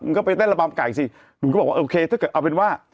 มึงก็ไปเต้นระบำไก่สิหนูก็บอกว่าเอาเป็นว่า